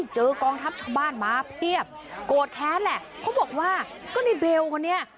กองทัพชาวบ้านมาเพียบโกรธแค้นแหละเขาบอกว่าก็ในเบลคนนี้